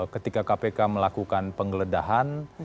ketika kpk melakukan penggeledahan